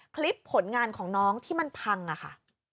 ผลงานของน้องที่มันพังค่ะ